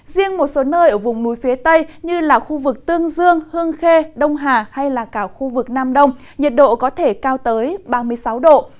riêng một số nơi ở vùng núi phía tây như là khu vực tương dương hương khê đông hà hay là cả khu vực nam đông nhiệt độ có thể cao tới ba mươi sáu độ